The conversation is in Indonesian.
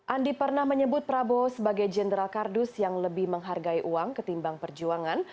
andi pernah menyebut prabowo sebagai jenderal kardus yang lebih menghargai uang ketimbang perjuangan